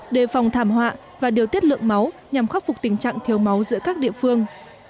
đề phòng thảm họa và điều tiết lượng máu nhằm khắc phục tình trạng thiếu máu giữa các địa phương